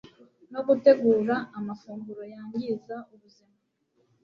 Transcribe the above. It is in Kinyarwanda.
no gutegura amafunguro yangiza ubuzima